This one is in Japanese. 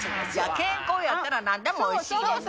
健康やったらなんでもおいしいよな。